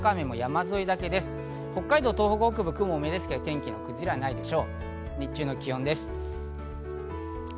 北海道、東北北部、雲が多めですが、天気の崩れはないでしょう